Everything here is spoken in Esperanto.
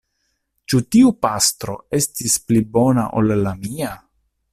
Ĉu tiu patro estis pli bona ol la mia?